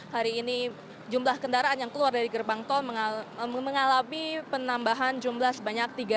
hari ini jumlah kendaraan yang keluar dari gerbang tol mengalami penambahan jumlah sebanyak tiga ratus